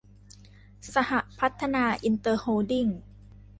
สหพัฒนาอินเตอร์โฮลดิ้ง